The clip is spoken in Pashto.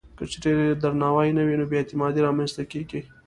که چېرې درناوی نه وي، نو بې اعتمادي رامنځته کېږي.